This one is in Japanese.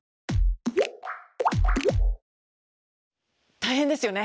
大変ですよね。